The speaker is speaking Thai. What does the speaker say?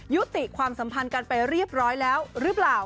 ยุติความสัมพันธ์กันไปเรียบร้อยแล้วหรือเปล่า